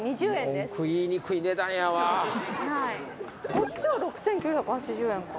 こっちは６，９８０円か。